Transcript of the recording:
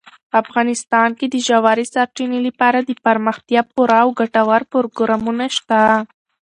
افغانستان کې د ژورې سرچینې لپاره دپرمختیا پوره او ګټور پروګرامونه شته.